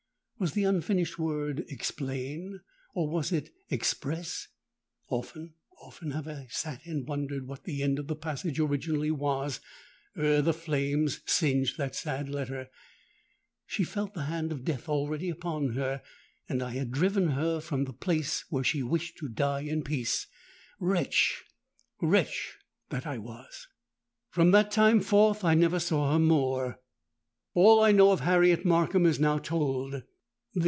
Was the unfinished word explain? Or was it express? Often—often have I sate and wondered what the end of the passage originally was, ere the flames singed that sad letter. She felt the hand of Death already upon her; and I had driven her from the place where she wished to die in peace! Wretch—wretch that I was! "From that time forth I never saw her more! "All that I know of Harriet Markham is now told.